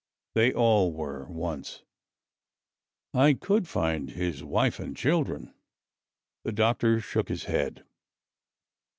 They all were, once. I could find his wife and children." The doctor shook his head.